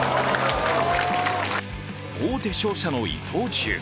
大手商社の伊藤忠。